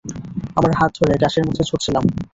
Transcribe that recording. আমরা হাত ধরে ঘাসের মধ্যে ছুটছিলাম।